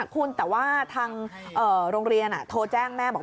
คุณแต่ว่าทางโรงเรียนโทรแจ้งแม่บอก